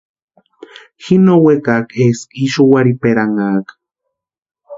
Ji no wekaaka eska ixu warhiperanhaaka.